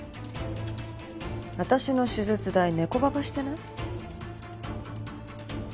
私の手術代ネコババしてない？